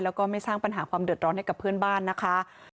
แล้วก็ไม่สร้างปัญหาความเดือดร้อนให้กับเพื่อนบ้านนะคะ